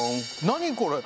何これ？